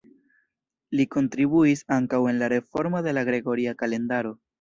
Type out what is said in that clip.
Li kontribuis ankaŭ en la reformo de la Gregoria kalendaro.